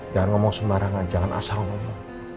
jangan ngomong sembarangan jangan asal ngomongnya